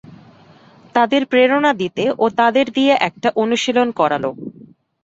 তাদের প্রেরণা দিতে ও তাদের দিয়ে একটা অনুশীলন করালো।